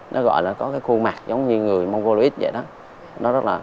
nó gọi là có cái khu mặt giống như người mongoloid vậy đó